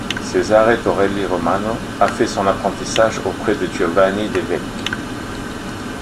Cesare Torelli Romano a fait son apprentissage auprès de Giovanni De Vecchi.